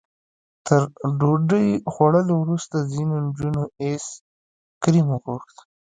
تر ډوډۍ خوړلو وروسته ځینو نجونو ایس کریم وغوښت.